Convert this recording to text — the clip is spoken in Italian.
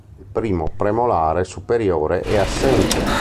Il primo premolare superiore è assente.